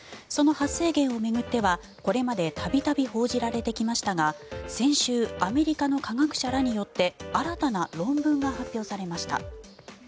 その発生源を巡ってはこれまで度々報じられてきましたが先週アメリカの科学者らによって新たな論文が発表されました。